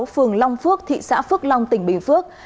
phường long phước thị xã phước long tỉnh bình phước